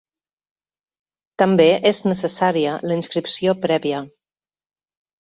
També és necessària la inscripció prèvia.